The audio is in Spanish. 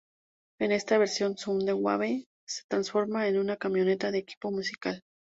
En esta versión Soundwave se transforma en una camioneta de equipo musical.